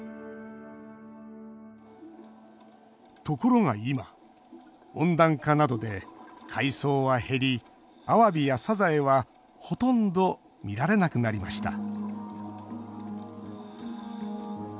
ところが今温暖化などで海藻は減りアワビやサザエはほとんど見られなくなりました。